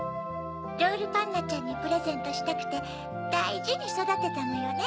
ロールパンナちゃんにプレゼントしたくてだいじにそだてたのよね。